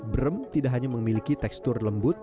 brem tidak hanya memiliki tekstur lembut